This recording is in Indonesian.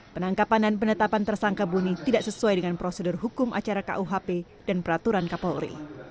penangkapan dan penetapan tersangka buni tidak sesuai dengan prosedur hukum acara kuhp dan peraturan kapolri